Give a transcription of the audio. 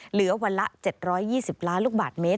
เหลือวันละ๗๒๐ล้านลูกบาทเมตร